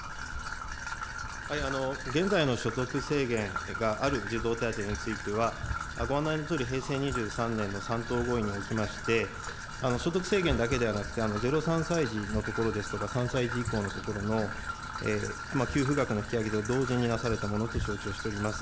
現在の所得制限がある児童手当については、ご案内のとおり、平成２３年の３党合意におきまして、所得制限だけではなくて、０ー３歳児のところですとか、３歳児以降のところの給付額の引き上げと同時になされたものと承知をしております。